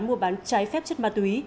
mua bán trái phép chất ma túy